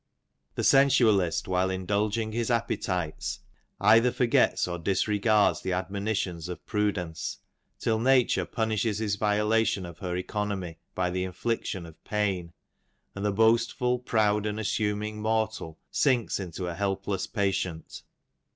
The sensualist while indulging his appetites either forgets or disregards the admonitions of pru dence, till nature punishes his violation of her economy by the infliction of pain, and the boastful, proud, and assuming mortal, sinks into a heljDless patient.